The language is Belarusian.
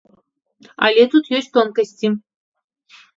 Але тут ёсць тонкасці.